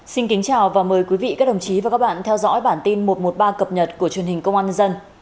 xin kính chào và mời quý vị các đồng chí và các bạn theo dõi bản tin một trăm một mươi ba cập nhật của truyền hình công an nhân dân